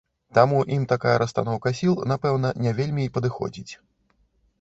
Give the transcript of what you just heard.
Таму ім такая расстаноўка сіл, напэўна, не вельмі і падыходзіць.